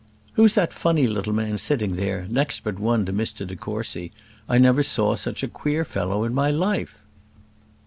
"Who's that funny little man sitting there, next but one to Mr de Courcy? I never saw such a queer fellow in my life."